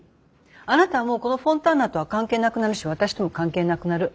あなたはもうこのフォンターナとは関係なくなるし私とも関係なくなる。